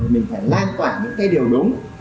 thì mình phải lan quản những cái điều đúng